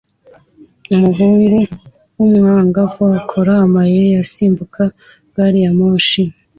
Umuhungu w'umwangavu akora amayeri asimbuka gari ya moshi